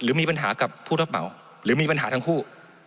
หรือมีปัญหากับผู้รับเหมาหรือมีปัญหาทั้งคู่